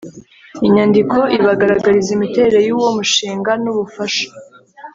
inyandiko ibagaragariza imiterere y uwo mushinga n ubufasha